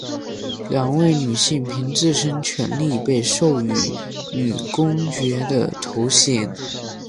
两位女性凭自身权利被授予女公爵的头衔。